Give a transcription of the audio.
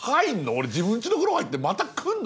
俺自分家の風呂入ってまた来んの？